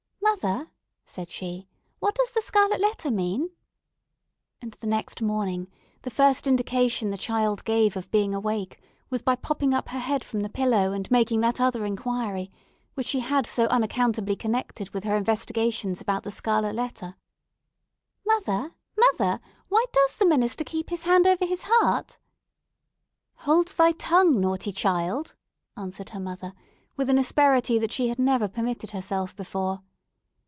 "Mother," said she, "what does the scarlet letter mean?" And the next morning, the first indication the child gave of being awake was by popping up her head from the pillow, and making that other enquiry, which she had so unaccountably connected with her investigations about the scarlet letter— "Mother!—Mother!—Why does the minister keep his hand over his heart?" "Hold thy tongue, naughty child!" answered her mother, with an asperity that she had never permitted to herself before.